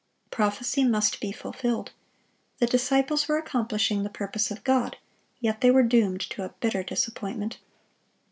(660) Prophecy must be fulfilled. The disciples were accomplishing the purpose of God; yet they were doomed to a bitter disappointment.